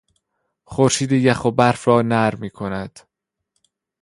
خورشید یخ و برف را نرم کرد.